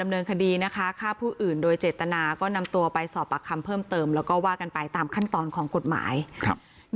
มันต้มเงินปลดไปหมดทุกสิ่งทุกการ